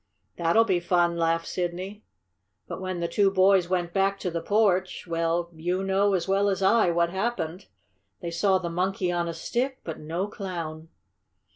"That'll be fun!" laughed Sidney. But when the two boys went back to the porch well, you know, as well as I, what happened. They saw the Monkey on a Stick, but no Clown!